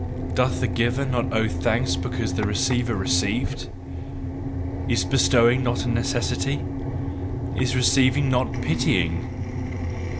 Doth the giver not owe thanks because the receiver received? Is bestowing not a necessity? Is receiving not pitying?"